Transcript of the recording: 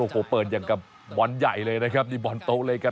โอ้โหเปิดอย่างกับบอลใหญ่เลยนะครับนี่บอลโต๊ะเลยครับ